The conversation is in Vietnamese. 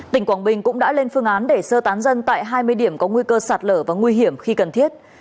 tỉnh quảng bình cũng đã lên phương án để sơ tán dân tại hai mươi điểm có nguy cơ sạt lở và nguy hiểm khi cần thiết